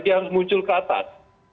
dia harus muncul ke atas